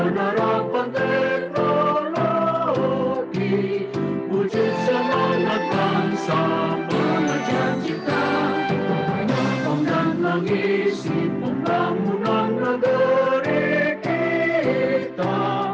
lagu kebangsaan indonesia raya